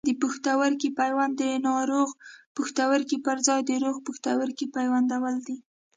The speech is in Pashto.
د پښتورګي پیوند د ناروغ پښتورګي پر ځای د روغ پښتورګي پیوندول دي.